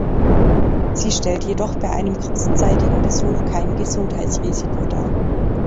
Sie stellt jedoch bei einem kurzzeitigen Besuch kein Gesundheitsrisiko dar.